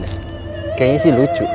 kayaknya sih lucu